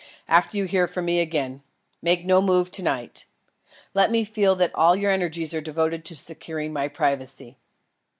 After you hear from me again. Make no move to night. Let me feel that all your energies are devoted to securing my privacy."